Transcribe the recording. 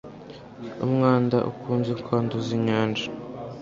umwanda ukunze kwanduza inyanja